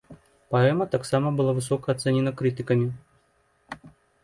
Паэма таксама была высока ацэнена крытыкамі.